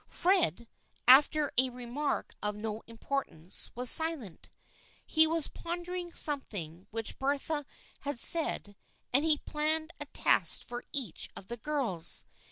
Fred, after a remark of no importance, was silent. He was pondering something which Bertha had said and he planned a test for each of the girls.